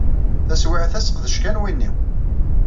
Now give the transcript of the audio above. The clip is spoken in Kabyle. Taswiɛt-a seqdec kan win-iw.